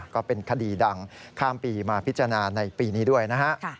ก็เป็นคดีดังข้ามปีมาพิจารณาในปีนี้ด้วยนะฮะ